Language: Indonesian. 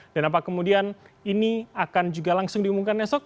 dan apa kemudian ini akan juga langsung diumumkan esok